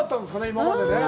今までね。